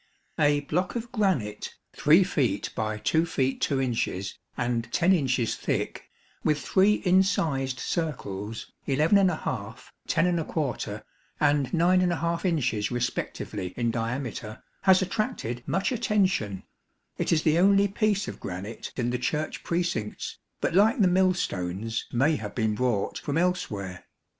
A block of granite, 3 feet by 2 feet 2 inches and 10 inches thick, with three incised circles 11^, 10j and 9 inches respectively in diameter, has attracted much attention. It is the only piece of granite in the Church precincts, but like the millstones may have been brought from elsewhere.